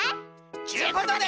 ちゅうことで。